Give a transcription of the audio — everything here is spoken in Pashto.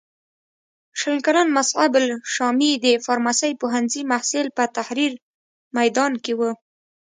شل کلن مصعب الشامي د فارمسۍ پوهنځي محصل په تحریر میدان کې و.